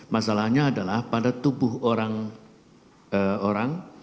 masalahnya adalah pada tubuh orang